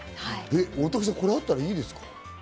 大竹さん、これあったらいいですか？